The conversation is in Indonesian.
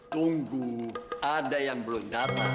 tunggu ada yang belum datang